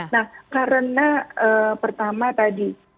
nah karena pertama tadi